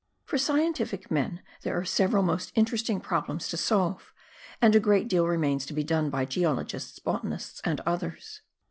For scientific men there are several most interesting problems to solve, and a great deal remains to be done by geologists, botanists and others.